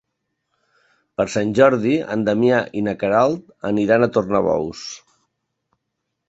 Per Sant Jordi en Damià i na Queralt aniran a Tornabous.